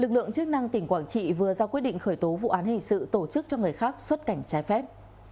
lực lượng chức năng tỉnh quảng trị vừa ra quyết định khởi tố vụ án hình sự tổ chức cho người khác xuất cảnh trái phép